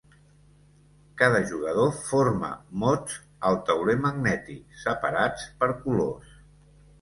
Cada jugador forma mots al tauler magnètic, separats per colors.